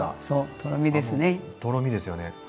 そうとろみですね。